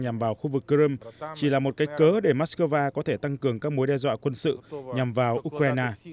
nhằm vào khu vực crimea chỉ là một cái cớ để moscow có thể tăng cường các mối đe dọa quân sự nhằm vào ukraine